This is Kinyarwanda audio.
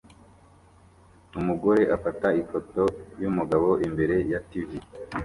Umugore afata ifoto yumugabo imbere ya TV